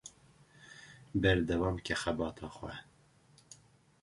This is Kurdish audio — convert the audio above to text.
Berdewamke xebata xwe.